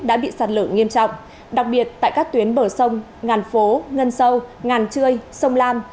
đã bị sạt lở nghiêm trọng đặc biệt tại các tuyến bờ sông ngàn phố ngân sâu ngàn trươi sông lam